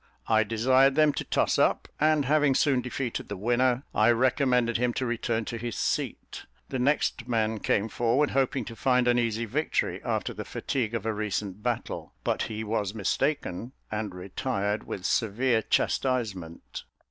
I desired them to toss up; and having soon defeated the winner, I recommended him to return to his seat. The next man came forward, hoping to find an easy victory, after the fatigue of a recent battle; but he was mistaken, and retired with severe chastisement.